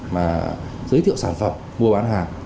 mà giới thiệu sản phẩm mua bán hàng